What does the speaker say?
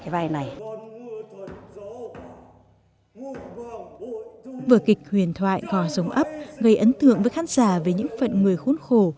vở kịch huyền thoại gò giống ấp gây ấn tượng với khán giả về những phận người khốn khổ